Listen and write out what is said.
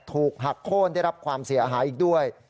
ถูกหักโค้นได้รับความเสียหายอีกด้วย